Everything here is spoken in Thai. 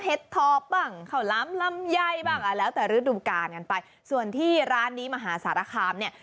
เห็ดทอบบ้างข้าวล้ำลำไยบ้างอ่ะแล้วแต่ฤดูกาลกันไปส่วนที่ร้านนี้มหาสารคามเนี่ย